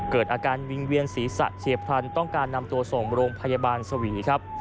เกิดอาการวิงเวียนศีรษะเฉียบพลันต้องการนำตัวส่งโรงพยาบาลสวีครับ